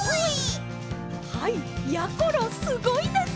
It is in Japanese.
はいやころすごいです！